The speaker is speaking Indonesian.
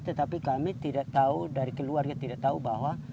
tetapi kami tidak tahu dari keluarga tidak tahu bahwa